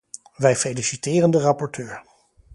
Wij feliciteren de rapporteur.